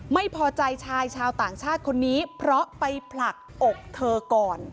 ไม่พอใจชายชาวต่างชาติคนนี้เพราะไปผลักอกเธอก่อน